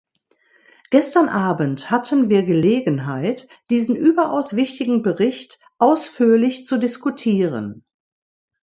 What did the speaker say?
Gestern Abend hatten wir Gelegenheit, diesen überaus wichtigen Bericht ausführlich zu diskutieren.